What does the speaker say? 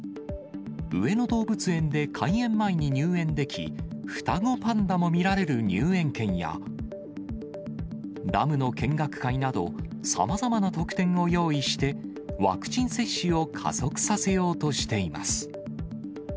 上野動物園で開園前に入園でき、双子パンダも見られる入園券や、ダムの見学会など、さまざまな特典を用意して、ワクチン接種を加速させようとしています。